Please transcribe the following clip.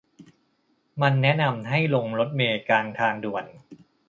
มันแนะนำให้ลงรถเมล์กลางทางด่วน